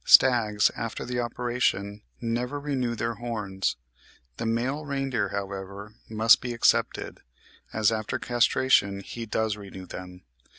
Stags after the operation never renew their horns. The male reindeer, however, must be excepted, as after castration he does renew them.